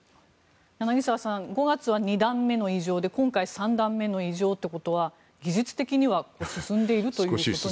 柳澤さん５月は２段目の異常で今回は３段目の異常ということは技術的には進んでいるということになるのでしょうか？